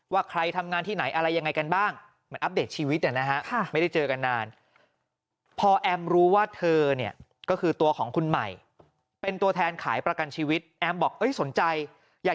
ประกันชีวิตแต่นะฮะไม่ได้เจอกันนานพอแอมรู้ว่าเธอนี่ก็คือตัวของคุณใหม่เป็นตัวแทนขายประกันชีวิตแอมบอกสนใจอยาก